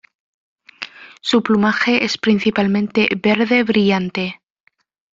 Su plumaje es principalmente verde brillante.